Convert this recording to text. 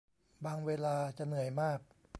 บางเวลาจะเหนื่อยมาก